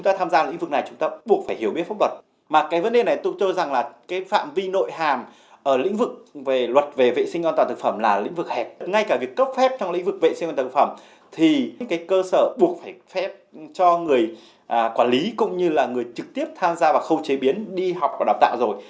thì cơ sở buộc phải phép cho người quản lý cũng như là người trực tiếp tham gia vào khâu chế biến đi học và đạp tạo rồi